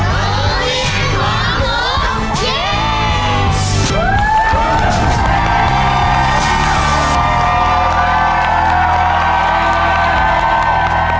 โรงเรียนของหมู